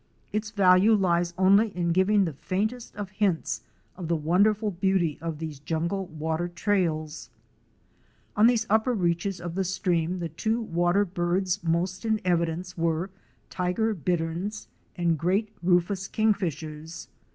Its value Fic. 122. A SLOTH ASLEEP. lies only in giving the faintest of hints of the wonderful beauty of these jungle water trails. On these upper reaches of the stream the two water birds most in evidence were Tiger Bitterns " and Great Rufous Kingfishers."